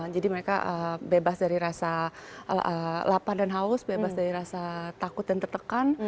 jadi mereka bebas dari rasa lapar dan haus bebas dari rasa takut dan tertekan